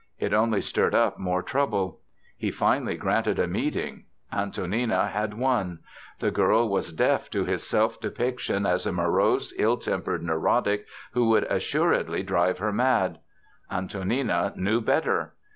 It only stirred up more trouble. He finally granted a meeting. Antonina had won. The girl was deaf to his self depiction as a morose, ill tempered neurotic who would assuredly drive her mad. Antonina knew better.